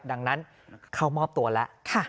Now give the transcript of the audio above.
ดังนั้นเข้ามอบตัวแล้ว